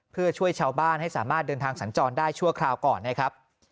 เพื่อช่วยชาวบ้านให้สามารถเดินทางสัญจรได้ชั่วคราวก่อนนะครับ